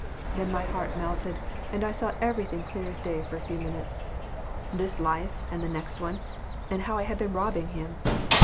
Then my heart melted, and I saw everything clear as day for a few minutes this life, and the next one, and how I had been robbing him.